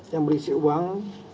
yang berisi uang